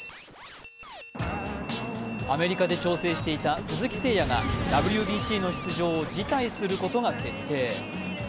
アメリカで調整していた鈴木誠也がＷＢＣの出場を辞退することが決定。